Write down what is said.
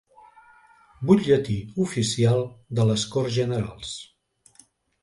Butlletí Oficial de les Corts Generals.